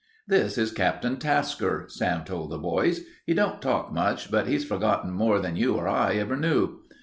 "This is Captain Tasker," Sam told the boys. "He don't talk much, but he's forgotten more than you or I ever knew.